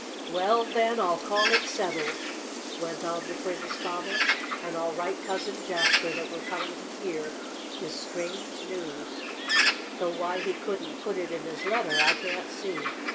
"Well, then, I'll call it settled," went on the twins' father, "and I'll write Cousin Jasper that we're coming to hear his strange news, though why he couldn't put it in his letter I can't see.